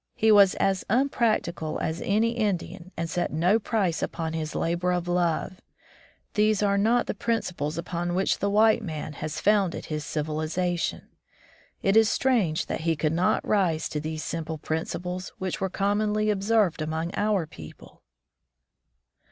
He was as unpractical as any Indian and set no price upon his labor of love. These are not the principles upon which the white man has founded his civilization. It is strange that he could not rise to these simple principles which were commonly observed among our people.'